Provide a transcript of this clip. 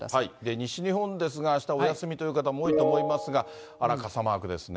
西日本ですが、あしたお休みという方も多いと思いますが、あら、傘マークですね。